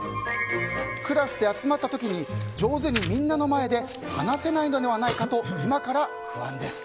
クラスで集まった時に上手にみんなの前で話せないのではないかと今から不安です。